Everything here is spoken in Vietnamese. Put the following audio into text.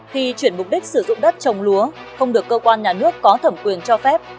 khi chuyển mục đích sử dụng đất trồng lúa không được cơ quan nhà nước có thẩm quyền cho phép